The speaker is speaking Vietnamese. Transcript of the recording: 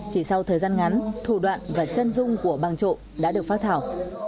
chỉ sau thời gian ngắn thủ đoạn và chân rung của bằng trộm đã được phát thảo